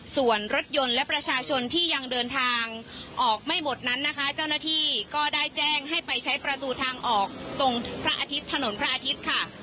ส่วนรถยนต์และประชาชนที่ยังเดินทางออกไม่หมดนั้นนะคะเจ้าหน้าที่ก็ได้แจ้งให้ไปใช้ประตูทางออกตรงพระอาทิตย์ถนนพระอาทิตย์ค่ะ